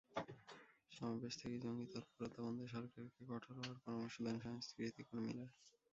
সমাবেশ থেকেই জঙ্গি তৎপরতা বন্ধে সরকারকে কঠোর হওয়ার পরামর্শ দেন সংস্কৃতিকর্মীরা।